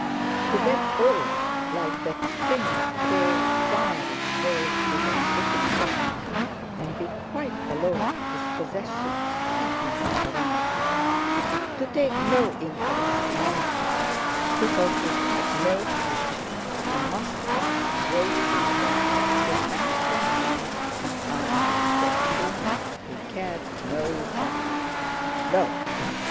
To get old—like that thin, grey wiry frail figure sitting there—and be quite alone with possessions heaping up around him; to take no interest in anything because it had no future and must pass away from him to hands and mouths and eyes for whom he cared no jot! No!